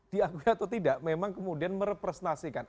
diakui atau tidak memang kemudian merepresentasikan